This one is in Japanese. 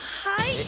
はい。